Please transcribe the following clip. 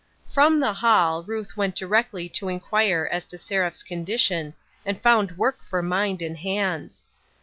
FROM the hall, Ruth went directly to inquire as to Seraph's condition, and found work for mind and hands.